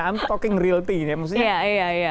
saya berbicara realty ya maksudnya